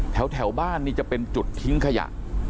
แถวบ้านนี่จะเป็นจุดทิ้งขยะ